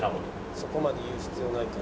「そこまで言う必要ないから」。